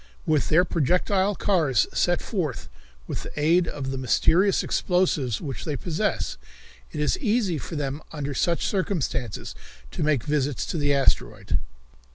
"With their projectile cars sent forth with the aid of the mysterious explosives which they possess, it is easy for them under such circumstances, to make visits to the asteroid."